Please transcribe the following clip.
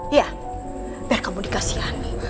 iya biar kamu dikasihkan